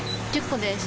１０個です